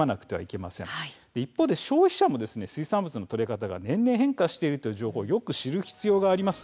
一方で、消費者も水産物の取れ方が年々変化しているという情報をよく知る必要があります。